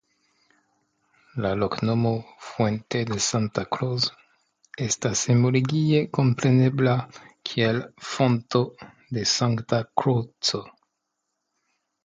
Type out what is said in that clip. La loknomo "Fuente de Santa Cruz" estas etimologie komprenebla kiel Fonto de Sankta Kruco.